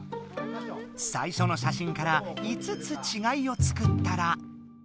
さいしょのしゃしんから５つちがいを作ったら。